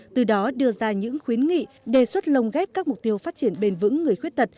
từ đó đưa ra những khuyến nghị đề xuất lồng ghép các mục tiêu phát triển bền vững người khuyết tật